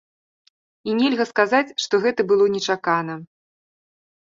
І нельга сказаць, што гэта было нечакана.